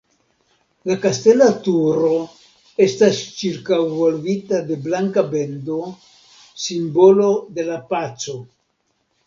La kastela turo estas ĉirkaŭvolvita de blanka bendo, simbolo de la paco.